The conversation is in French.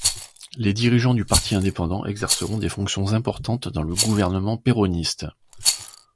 Les dirigeants du Parti indépendant exerceront des fonctions importantes dans le gouvernement péroniste.